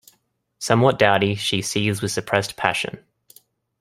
Somewhat dowdy, she seethes with suppressed passion.